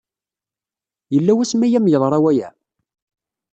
Yella wasmi ay am-yeḍra waya?